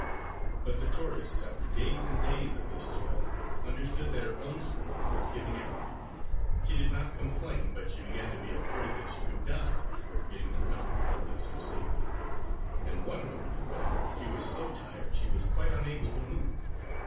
But the tortoise, after days and days of this toil, understood that her own strength was giving out. She did not complain, but she began to be afraid that she would die before getting the hunter to a place of safety. And one morning, in fact, she was so tired she was quite unable to move.